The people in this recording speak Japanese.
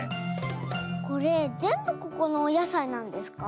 これぜんぶここのおやさいなんですか？